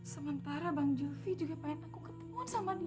sementara bang julfi juga pengen aku ketemuan sama dia